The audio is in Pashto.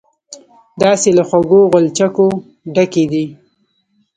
داسې له خوږو غلچکو ډکې دي.